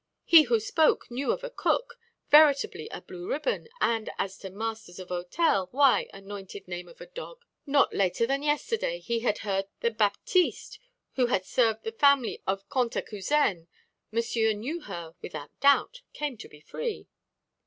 He who spoke knew of a cook, veritably a blue ribbon, and as to masters of hôtel, why, anointed name of a dog, not later than yesterday, he had heard that Baptiste he who had served the family of Cantacuzène Monsieur knew her, without doubt, came to be free."